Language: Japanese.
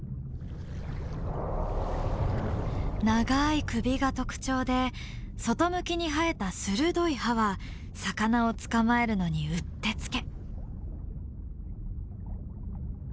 長い首が特徴で外向きに生えた鋭い歯は魚を捕まえるのにうってつけ。